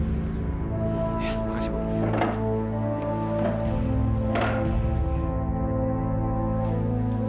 ya terima kasih bu